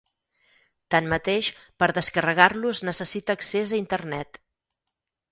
Tanmateix, per descarregar-lo es necessita accés a Internet.